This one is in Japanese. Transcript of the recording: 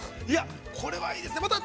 いや、これは、いいですね。